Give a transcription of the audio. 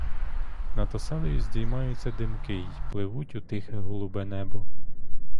Над оселею здіймаються димки й пливуть у тихе голубе небо.